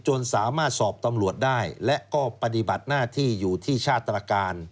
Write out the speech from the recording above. จนสามารถสอบตำรวจได้และก็ปฏิบัติหน้าที่อยู่ที่ชาติตรการ